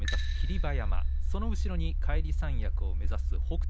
馬山その後ろに返り三役を目指す北勝